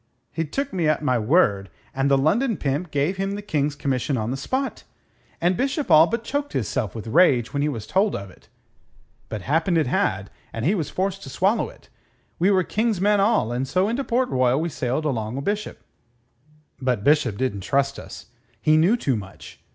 He took me at my word, and the London pimp gave him the King's commission on the spot, and Bishop all but choked hisself with rage when he was told of it. But happened it had, and he was forced to swallow it. We were King's men all, and so into Port Royal we sailed along o' Bishop. But Bishop didn't trust us. He knew too much.